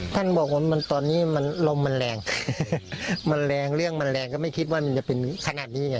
ท่านบอกว่าตอนนี้มันลมมันแรงมันแรงเรื่องมันแรงก็ไม่คิดว่ามันจะเป็นขนาดนี้ไง